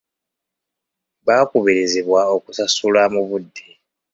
Baakubirizibwa okusasula mu budde.